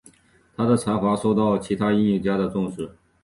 他的才华受到其他音乐家的重视。